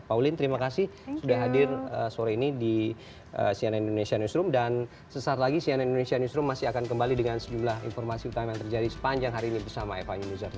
pak ulin terima kasih sudah hadir sore ini di cnn indonesia newsroom dan sesaat lagi cnn indonesia newsroom masih akan kembali dengan sejumlah informasi utama yang terjadi sepanjang hari ini bersama eva yunizar